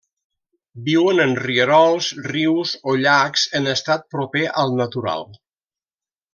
Viuen en rierols, rius o llacs en estat proper al natural.